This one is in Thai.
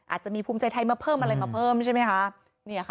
อาจจะมีภูมิใจไทยมาเพิ่มอะไรมาเพิ่มใช่ไหมคะ